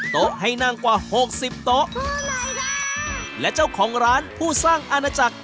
โต๊ะให้นั่งกว่าหกสิบโต๊ะและเจ้าของร้านผู้สร้างอาณาจักร